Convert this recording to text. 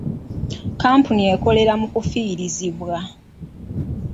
Kkampuni ekolera mu kufiirizibwa.